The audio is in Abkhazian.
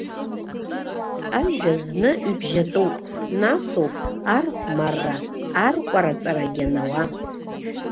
Ажәа зны ибжьатәуп, насоуп архәмарра-аркәараҵарагьы анауа.